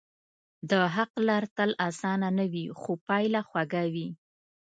د حق لار تل آسانه نه وي، خو پایله خوږه وي.